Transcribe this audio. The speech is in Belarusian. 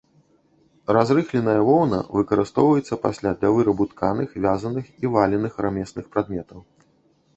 Разрыхленая воўна выкарыстоўваецца пасля для вырабу тканых, вязаных і валеных рамесных прадметаў.